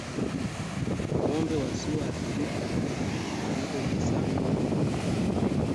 Ngombe wasioathirika wanapogusana na wagonjwa